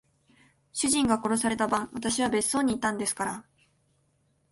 主人が殺された晩、私は別荘にいたんですから。